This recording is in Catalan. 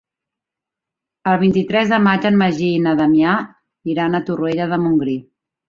El vint-i-tres de maig en Magí i na Damià iran a Torroella de Montgrí.